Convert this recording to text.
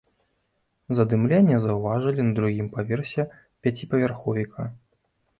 Задымленне заўважылі на другім паверсе пяціпавярховіка.